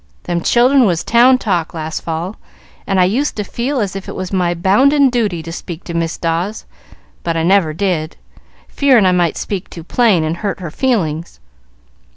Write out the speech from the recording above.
Them children was town talk last fall, and I used to feel as if it was my bounden duty to speak to Miss Dawes. But I never did, fearing I might speak too plain, and hurt her feelings."